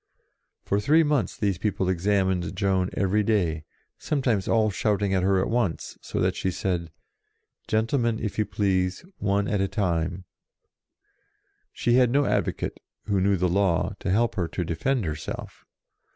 For three months these people examined Joan every day, sometimes all shouting at her at once, so that she said, " Gentlemen, if you please, one at a time," She had no advocate, who knew the law, to help her to defend herself.